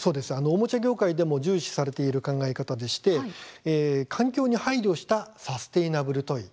おもちゃ業界でも重視されている考え方でして環境に配慮したサステイナブル・トイ